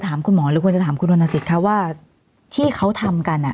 ถามคุณหมอหรือควรจะถามคุณธนสิทธิคะว่าที่เขาทำกัน